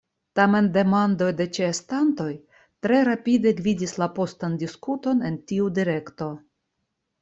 Tamen demandoj de ĉeestantoj tre rapide gvidis la postan diskuton en tiu direkto.